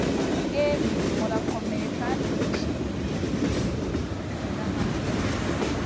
mwembi murakomeye kandi nishimiye cyane umwaka wa cyenda hamwe